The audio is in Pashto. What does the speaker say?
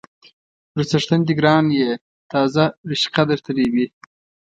_پر څښتن دې ګران يې، تازه رشقه درته رېبي.